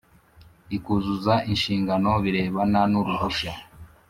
ikuzuza inshingano birebana n uruhushya